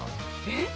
えっ？